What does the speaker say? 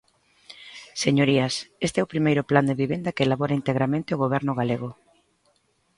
Señorías, este é o primeiro Plan de vivenda que elabora integramente o Goberno galego.